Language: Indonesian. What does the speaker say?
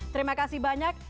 terima kasih banyak